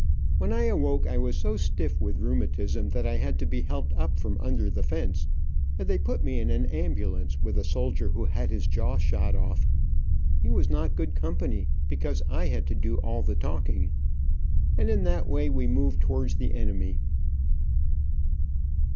When I awoke I was so stiff with rheumatism that I had to be helped up from under the fence, and they put me in an ambulance with a soldier who had his jaw shot off. He was not good company, because I had to do all the talking. And in that way we moved towards the enemy.